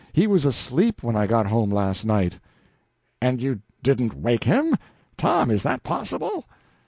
He was asleep when I got home last night." "And you didn't wake him? Tom, is that possible?"